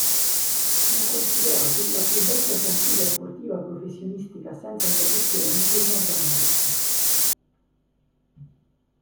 Sono considerati "la più vecchia franchigia sportiva professionistica senza interruzioni del Nord America.